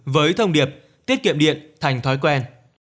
với thông điệp tiết kiệm điện thành thói quen